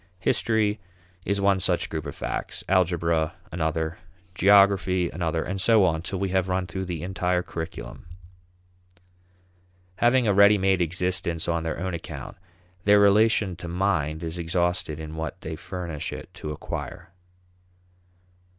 History is one such group of facts; algebra another; geography another, and so on till we have run through the entire curriculum. Having a ready made existence on their own account, their relation to mind is exhausted in what they furnish it to acquire.